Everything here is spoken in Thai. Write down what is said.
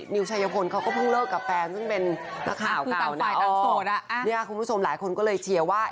นิ้วชายพลเขาก็พึ่งเลิกกับแฟนซึ่งเป็นนักข่าวเก่าเนี่ยคุณผู้ชมหลายคนก็เลยเชียร์ว่า